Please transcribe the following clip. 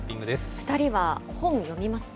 ２人は本、読みますか。